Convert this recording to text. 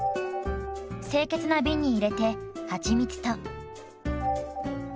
清潔な瓶に入れてはちみつと酢を加えます。